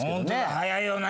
早いよね。